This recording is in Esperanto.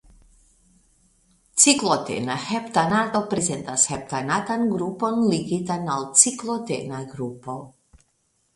Ciklotena heptanato prezentas heptanatan grupon ligitan al ciklotena grupo.